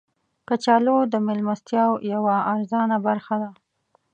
کچالو د میلمستیاو یوه ارزانه برخه ده